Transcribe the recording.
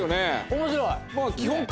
面白い。